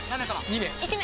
２名１名